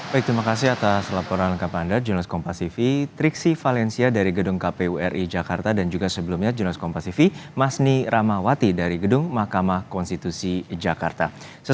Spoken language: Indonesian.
baik terima kasih atas laporan lengkap anda junos kompasifi triksi valencia dari gedung kpu ri jakarta dan juga sebelumnya jurnas kompasifi masni ramawati dari gedung mahkamah konstitusi jakarta